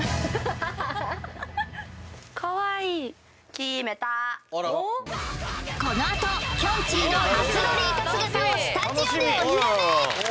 ホントだねこのあときょんちぃの初ロリータ姿をスタジオでお披露目！